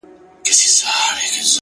• چي لاپي مو د تورو او جرګو ورته کولې,